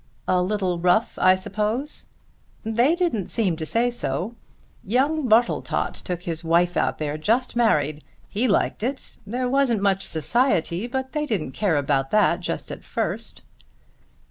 "A little rough I suppose?" "They didn't seem to say so. Young Bartletot took his wife out there, just married. He liked it. There wasn't much society, but they didn't care about that just at first."